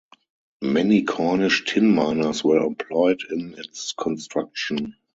Many Cornish tin miners were employed in its construction.